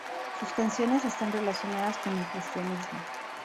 Sus canciones están relacionadas con el Cristianismo.